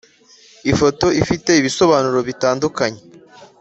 Ifoto ifite ibisobanuro bitandukanye